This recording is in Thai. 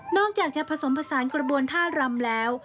อกจากจะผสมผสานกระบวนท่ารำแล้ว